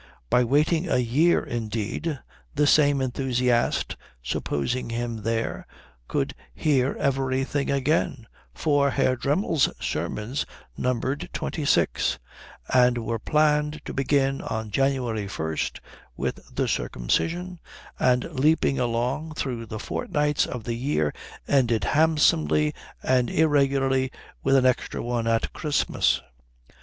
By waiting a year, indeed, the same enthusiast, supposing him there, could hear everything again, for Herr Dremmel's sermons numbered twenty six and were planned to begin on January 1st with the Circumcision, and leaping along through the fortnights of the year ended handsomely and irregularly with an extra one at Christmas.